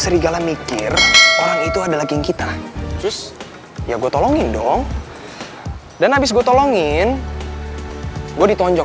serigala mikir orang itu adalah geng kita ya gue tolongin dong dan habis gue tolongin gue ditonjok